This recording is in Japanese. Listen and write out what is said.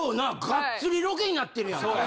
がっつりロケになってるやんか。